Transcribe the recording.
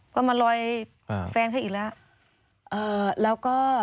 ก็มาลอยแฟนเข้าอีกแล้ว